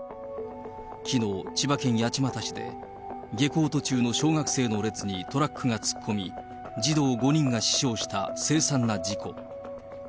きのう、千葉県八街市で、下校途中の小学生の列にトラックが突っ込み、児童５人が死傷した凄惨な事故。